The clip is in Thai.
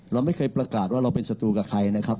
เราไม่เคยประกาศว่าเราเป็นศัตรูกับใครนะครับ